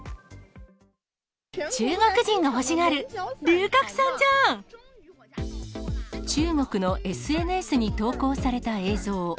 中国人が欲しがる龍角散じゃ中国のＳＮＳに投稿された映像。